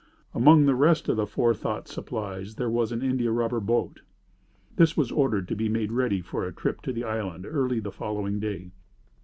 Among the rest of the forethought, supplies, there was an India rubber boat. This was ordered to be made ready for a trip to the island early the following day.